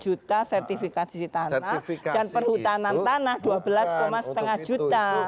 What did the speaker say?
satu juta sertifikasi tanah dan perhutanan tanah dua belas lima juta